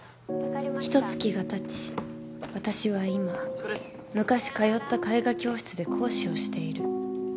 ひと月が経ち私は今昔通った絵画教室で講師をしている。